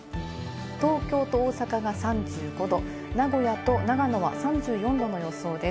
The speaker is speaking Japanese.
東京と大阪が３５度、名古屋と長野は３４度の予想です。